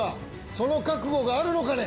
その覚悟があるのかね？